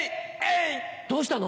どうしたの？